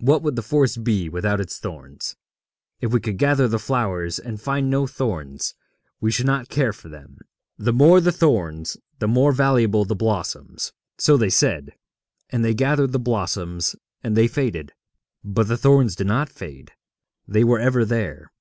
What would the forest be without its thorns? If we could gather the flowers and find no thorns, we should not care for them. The more the thorns, the more valuable the blossoms.' So they said, and they gathered the blossoms, and they faded. But the thorns did not fade; they were ever there.